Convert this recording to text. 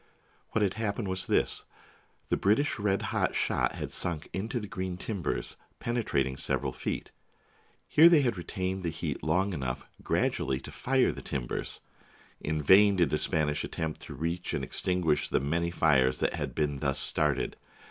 What had happened was this: The British red hot shot had sunk into the green timbers, penetrat ing several feet. Here they had retained the heat long enough gradually to fire the timbers. In vain did the Spanish attempt to reach and extinguish the many fires that had been thus started.